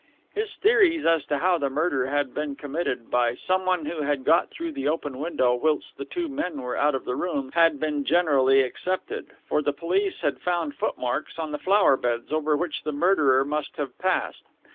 His theories as to how the murder had been committed by some one who had got through the open window whilst the two men were out of the room had been generally accepted, for the police had found footmarks on the flowerbeds, over which the murderer must have passed.